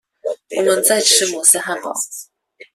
我們在吃摩斯漢堡